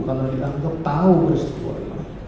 karena dianggap tahu beristighfah